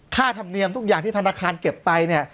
ธรรมเนียมทุกอย่างที่ธนาคารเก็บไปเนี่ย